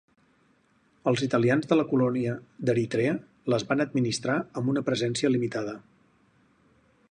Els italians de la colònia d'Eritrea les van administrar amb una presència limitada.